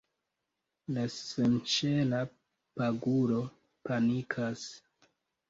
La senŝela paguro panikas.